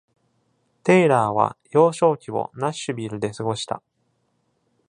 テイラーは幼少期をナッシュビルで過ごした。